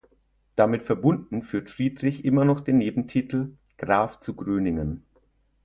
Damit verbunden führt Friedrich immer noch den Nebentitel "Graf zu Gröningen".